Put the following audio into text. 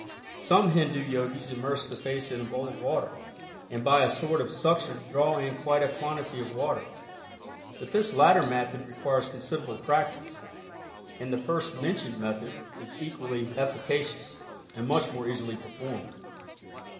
Some Hindu yogis immerse the face in a bowl of water, and by a sort of suction draw in quite a quantity of water, but this latter method requires considerable practice, and the first mentioned method is equally efficacious, and much more easily performed.